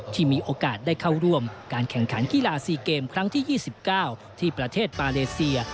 ที่มีโอกาสได้เข้าร่วมการแข่งขันกีฬา๔เกมครั้งที่๒๙ที่ประเทศมาเลเซีย